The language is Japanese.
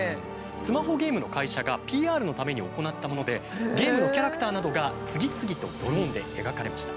スマホゲームの会社がＰＲのために行ったものでゲームのキャラクターなどが次々とドローンで描かれました。